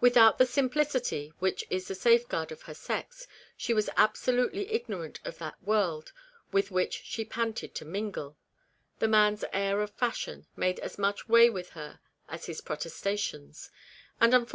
Without the simplicity which is the safeguard, of her sex, she was absolutely ignor ant of that world with which she panted to mingle ; the man's air of fashion made as much way with her as his protestations ; and unfor REBECCAS REMORSE.